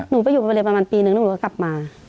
หนูไปอยู่มาเลยประมาณปีนึงแล้วหนูก็กลับมา